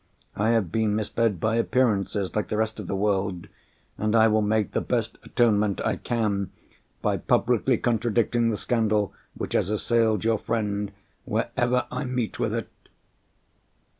I have been misled by appearances, like the rest of the world; and I will make the best atonement I can, by publicly contradicting the scandal which has assailed your friend wherever I meet with it.